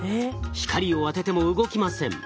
光を当てても動きません。